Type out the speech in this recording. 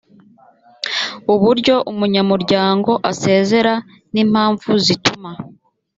uburyo umunyamuryango asezera n impamvu zituma